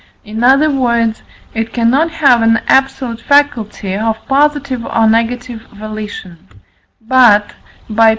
in other words, it cannot have an absolute faculty of positive or negative volition; but (by I.